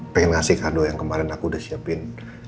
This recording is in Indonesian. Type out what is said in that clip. pengen ngasih kado yang kemarin aku udah siapin